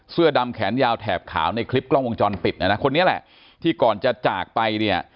เสื้อดำแขนยาวแถบขาวในคลิปกล้องวงจรปิดเนี่ยนะคนนี้แหละที่ก่อนจะจากไปเนี่ย